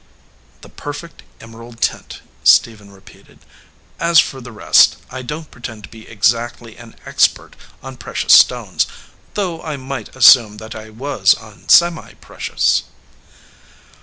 "The perfect emerald tint," Stephen repeated. "As for the rest, I don t pretend to be exactly an expert on precious stones, though I might assume that I was on semi precious."